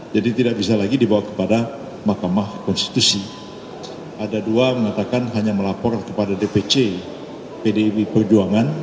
dan terjadi pelanggaran tersebut dan terjadi pelanggaran tersebut